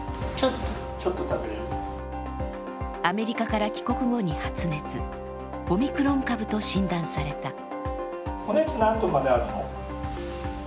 アメリカから帰国後に発熱オミクロン株と診断された。